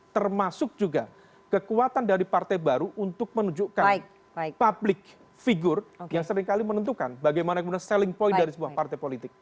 termasuk juga kekuatan dari partai baru untuk menunjukkan public figure yang seringkali menentukan bagaimana kemudian selling point dari sebuah partai politik